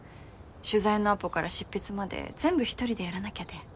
取材のアポから執筆まで全部一人でやらなきゃで。